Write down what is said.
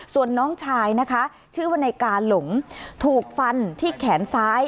ส่วนน้องชายชื่อไหนกาหลงถูกฟันที่แขนซ้าย